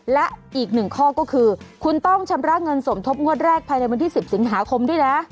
และอีกหนึ่งข้อก็คือคุณต้องชำระเงินสมทบงวดแรกภายในวันที่๑๐สิงหาคมด้วยนะ